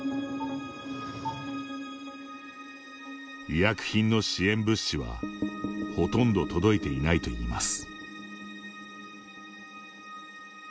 医薬品の支援物資はほとんど届いていないといいます。